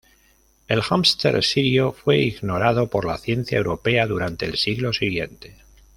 El hámster sirio fue ignorado por la ciencia europea durante el siglo siguiente.